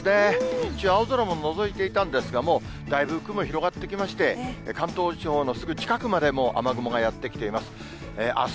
日中、青空ものぞいていたんですが、もうだいぶ雲広がってきまして、関東地方のすぐ近くまで、もう雨雲がやって来ています。